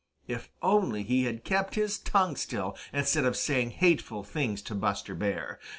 If only he had kept his tongue still instead of saying hateful things to Buster Bear!